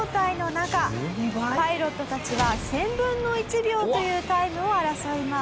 パイロットたちは１０００分の１秒というタイムを争います。